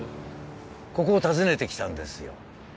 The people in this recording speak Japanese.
ここを訪ねてきたんですよ